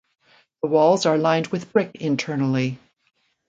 The walls are lined with brick internally.